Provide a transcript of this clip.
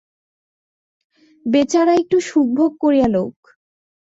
বেচারা একটু সুখভোগ করিয়া লউক।